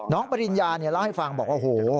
น้องปริญญาเล่าให้ฟังบอกว่าโอ้โห